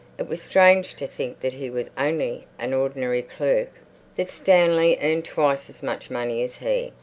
It was strange to think that he was only an ordinary clerk, that Stanley earned twice as much money as he.